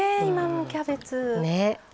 今のキャベツ。ね？